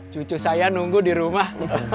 cucu saya nunggu di rumah